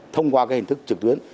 thông qua hình thức trực tuyến